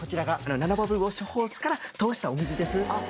ナノバブルウォッシュホースから通したお水です。